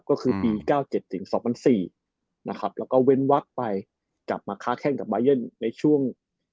ก็คือปี๙๗๒๐๐๔แล้วก็เว้นวักไปกลับมาค้าแข้งกับบายอนในช่วง๒๐๐๕๒๐๐๖